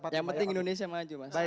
yang penting indonesia maju